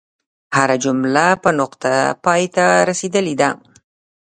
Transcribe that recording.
هره جمله په نقطه پای ته رسیدلې ده.